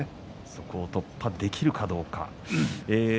そこを突破できるかどうか。